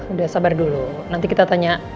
udah sabar dulu nanti kita tanya